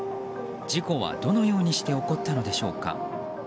事故はどのようにして起こったのでしょうか。